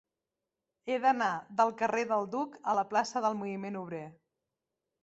He d'anar del carrer del Duc a la plaça del Moviment Obrer.